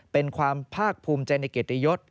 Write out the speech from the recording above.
เป็นความภาคภูมิใจในเกียรติยศ